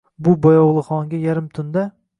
Bu boyo‘g‘lixonaga yarim tunda